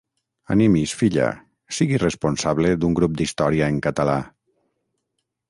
Animi’s, filla, sigui responsable d’un grup d’història en català...